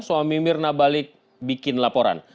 suami mirna balik bikin laporan